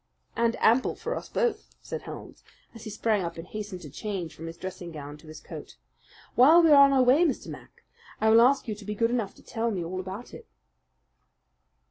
"And ample for us both," said Holmes, as he sprang up and hastened to change from his dressing gown to his coat. "While we are on our way, Mr. Mac, I will ask you to be good enough to tell me all about it."